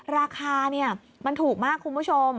ราคามันถูกมากคุณผู้ชม